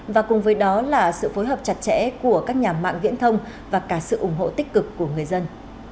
và cùng với đó là sự phối hợp chặt chẽ của các nhà mạng viễn thông và cả sự ủng hộ tích cực của người dân